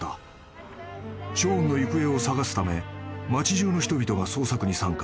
［ショーンの行方を捜すため町じゅうの人々が捜索に参加］